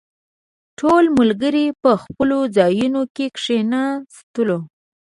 ټول ملګري په خپلو ځايونو کې کښېناستلو.